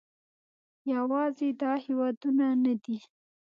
یوازې دا هېوادونه نه دي